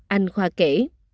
anh khoa kể